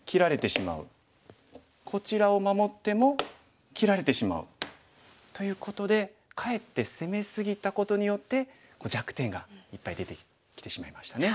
こちらを守っても切られてしまう。ということでかえって攻め過ぎたことによって弱点がいっぱい出てきてしまいましたね。